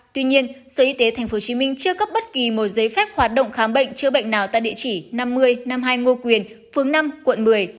tuy nhiên sở y tế tp hcm chưa cấp bất kỳ một giấy phép hoạt động khám bệnh chữa bệnh nào tại địa chỉ năm mươi năm mươi hai ngô quyền phường năm quận một mươi